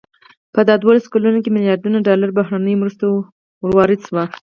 په دا دولسو کلونو کې ملیاردونو ډالرو بهرنیو مرستو ورود شو.